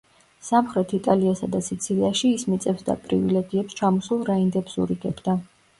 სამხრეთ იტალიასა და სიცილიაში ის მიწებს და პრივილეგიებს ჩამოსულ რაინდებს ურიგებდა.